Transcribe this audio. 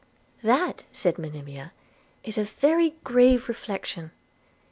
'That,' said Monimia, 'is a very grave reflection.